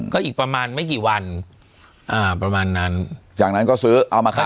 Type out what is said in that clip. ก็อีกประมาณไม่กี่วันอ่าประมาณนั้นจากนั้นก็ซื้อเอามาขาย